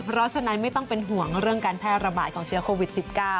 เพราะฉะนั้นไม่ต้องเป็นห่วงเรื่องการแพร่ระบาดของเชื้อโควิด๑๙